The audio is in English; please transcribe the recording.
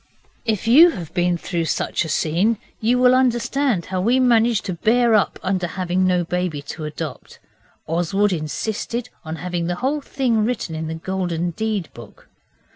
If you have been through such a scene you will understand how we managed to bear up under having no baby to adopt. Oswald insisted on having the whole thing written in the Golden Deed book.